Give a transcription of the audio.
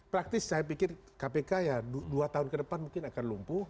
praktis saya pikir kpk ya dua tahun ke depan mungkin akan lumpuh